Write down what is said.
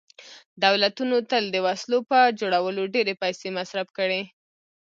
دولتونو تل د وسلو په جوړولو ډېرې پیسې مصرف کړي